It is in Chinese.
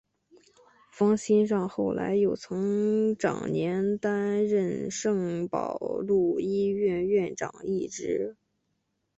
方心让后来又曾长年担任圣保禄医院院长一职。